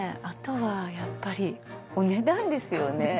あとはやっぱりお値段ですよね